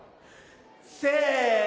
せの。